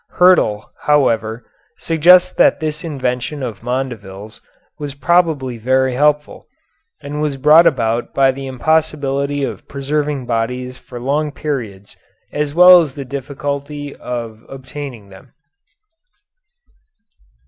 Hyrtl, however, suggests that this invention of Mondeville's was probably very helpful, and was brought about by the impossibility of preserving bodies for long periods as well as the difficulty of obtaining them.